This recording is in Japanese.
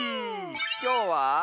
きょうは。